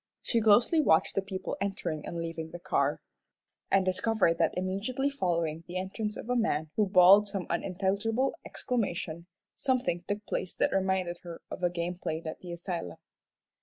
She closely watched the people entering and leaving the car, and discovered that immediately following the entrance of a man who bawled some unintelligible exclamation, something took place that reminded her of a game played at the asylum.